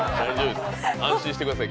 安心してください。